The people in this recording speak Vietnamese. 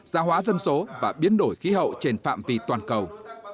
gia hóa dân số và biến đổi khí hậu trên phạm vi toàn cầu